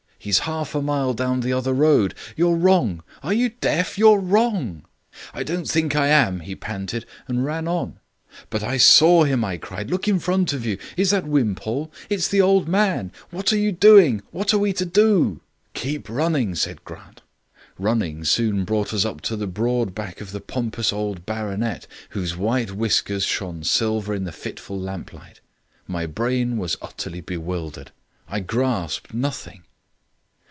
He's half a mile down the other road. You're wrong... Are you deaf? You're wrong!" "I don't think I am," he panted, and ran on. "But I saw him!" I cried. "Look in front of you. Is that Wimpole? It's the old man... What are you doing? What are we to do?" "Keep running," said Grant. Running soon brought us up to the broad back of the pompous old baronet, whose white whiskers shone silver in the fitful lamplight. My brain was utterly bewildered. I grasped nothing.